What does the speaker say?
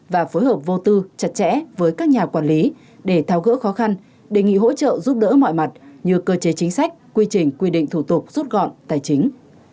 và phối hợp vô tư chặt chẽ với các nhà quản lý để tháo gỡ khó khăn đề nghị hỗ trợ giúp đỡ mọi mặt như cơ chế chính sách quy trình quy định thủ tục rút gọn tài chính